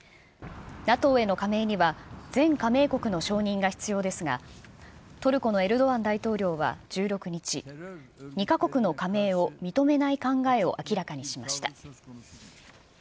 ＮＡＴＯへの加盟には、全加盟国の承認が必要ですが、トルコのエルドアン大統領は１６日、２か国の加盟を認めない考えを明らかにしました。